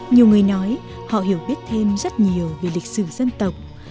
nhiều người nói họ hiểu biết thêm rất nhiều về lịch sử dân tộc